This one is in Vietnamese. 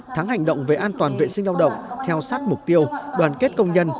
tháng hành động về an toàn vệ sinh lao động theo sát mục tiêu đoàn kết công nhân